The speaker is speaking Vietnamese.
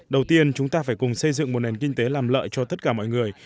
đầu tiên chúng ta phải cùng xây dựng một nền kinh tế làm lợi cho tất cả mọi người